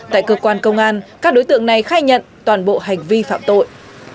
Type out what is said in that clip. tại cơ quan công an các đối tượng này khai nhận toàn bộ hành vi phạm tội